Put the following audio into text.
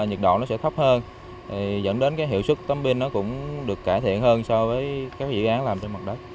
nhiệt độ nó sẽ thấp hơn dẫn đến cái hiệu sức tấm pin nó cũng được cải thiện hơn so với các dự án làm trên mặt đất